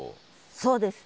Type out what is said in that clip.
そうです。